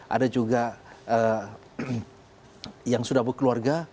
ada juga yang sudah berkeluarga